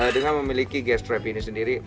dengan memiliki gas trap ini sendiri